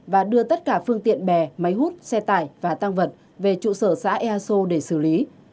và đưa tất cả phương tiện bè máy hút xe tải và tăng vật về trụ sở xã ea sô để xử lý